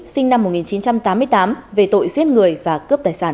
sinh năm một nghìn chín trăm tám mươi tám về tội giết người và cướp tài sản